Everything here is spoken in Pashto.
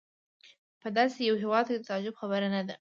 په داسې یو هېواد کې د تعجب خبره نه ده.